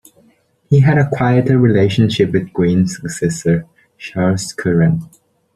He had a quieter relationship with Greene's successor, Charles Curran.